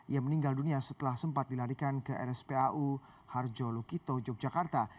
ia meninggal dunia setelah sempat dilarikan ke rspau harjo lukito yogyakarta